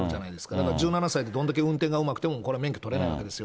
だから１７歳でどんだけ運転がうまくてもこれは免許取れないわけですよ。